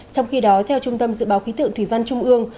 trong khi đó theo trung tâm dự báo khí tượng thủy văn trung ương